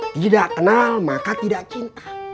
tidak kenal maka tidak cinta